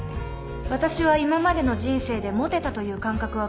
私は今までの人生でモテたという感覚は皆無です。